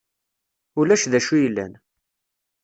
Ulac d acu yellan.